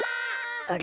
あれ？